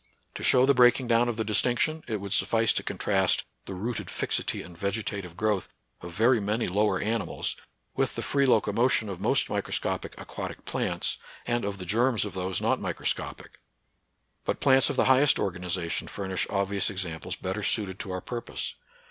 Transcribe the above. To show the breaking down of the distinction, it would suffice to con trast the rooted fixity and vegetative growth of NATURAL SCIENCE AND RELIGION. 23 very many lower animals with the free loco motion of most microscopic aquatic plants and of the germs of those not microscopic ; but plants of the highest organization furnish ob vious examples better suited to our purpose.